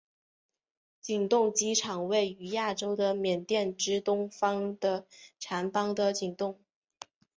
景栋机场位于亚洲的缅甸之东方的掸邦的景栋。